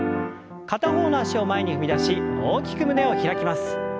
片方の脚を前に踏み出し大きく胸を開きます。